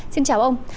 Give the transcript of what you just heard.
xin chào ông